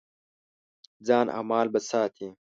ځان او مال به ساتې.